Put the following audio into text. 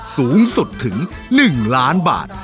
สูงสุดถึง๑ล้านบาท